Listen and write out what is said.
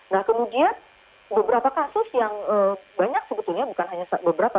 nah kemudian beberapa kasus yang banyak sebetulnya bukan hanya beberapa